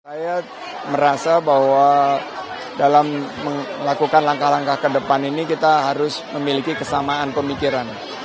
saya merasa bahwa dalam melakukan langkah langkah ke depan ini kita harus memiliki kesamaan pemikiran